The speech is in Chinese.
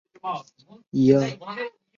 梁玉绳认为他可能是虢石父之子。